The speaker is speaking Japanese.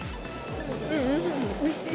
うん、おいしい！